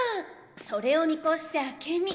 それを見越して明美。